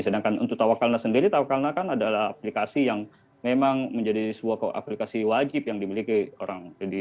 sedangkan untuk tawakalna sendiri tawakalna kan adalah aplikasi yang memang menjadi sebuah aplikasi wajib yang dimiliki orang